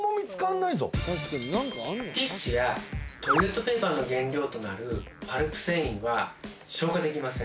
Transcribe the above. ティッシュやトイレットペーパーの原料となるパルプ繊維は消化できません。